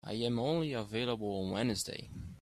I am only available on Wednesday.